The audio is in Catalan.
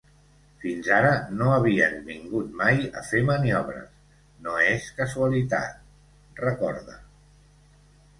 Fins ara no havien vingut mai a fer maniobres; no és casualitat, recorda.